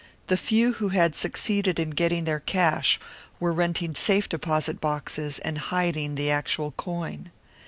The few who had succeeded in getting their cash were renting safe deposit boxes and hiding the actual coin.